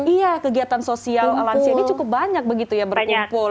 iya kegiatan sosial lansia ini cukup banyak begitu ya berkumpul